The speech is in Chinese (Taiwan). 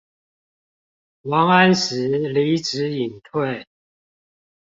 王安石離職引退